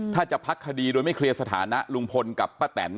ถ้าจะพักคดีโดยไม่เคลียร์สถานะลุงพลกับป้าแตน